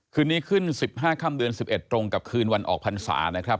คืนนี้ขึ้นสิบห้าค่ำเดือนสิบเอ็ดตรงกับคืนวันออกพันศานะครับ